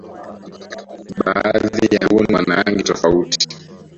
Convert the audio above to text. baadhi ya mbuni wana rangi tofauti